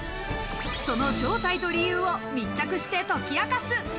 その正体と理由を密着して解き明かす。